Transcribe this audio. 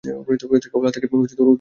কেবল আত্মাকে উদ্বুদ্ধ করিতে হইবে।